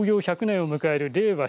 １００年を迎える令和